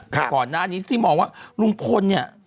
แต่ก่อนที่นี่ทีมองว่ารุงพล